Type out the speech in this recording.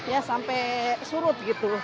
ya sampai surut gitu